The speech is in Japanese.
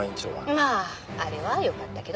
まああれは良かったけど。